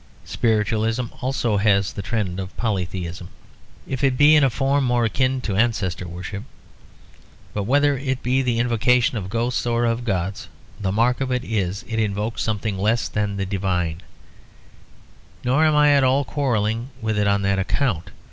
Spiritualism also has the trend of polytheism, if it be in a form more akin to ancestor worship. But whether it be the invocation of ghosts or of gods, the mark of it is that it invokes something less than the divine; nor am I at all quarrelling with it on that account.